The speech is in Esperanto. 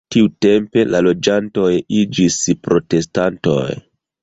Tiutempe la loĝantoj iĝis protestantoj.